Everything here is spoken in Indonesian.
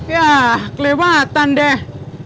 yah kelewatan deh